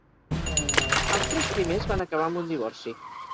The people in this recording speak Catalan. Els tres primers van acabar amb un divorci.